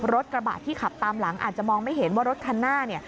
รถกระบะที่ขับตามหลังอาจจะมองไม่เห็นว่ารถคันหน้าเนี่ย